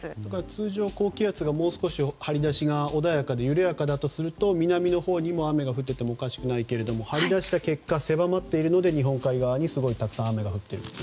通常、高気圧の張り出しがもう少し穏やかで緩やかだとすると南のほうにも雨が降っていてもおかしくないけれども張り出した結果狭まっているので、日本海側にすごいたくさん雨が降っていると。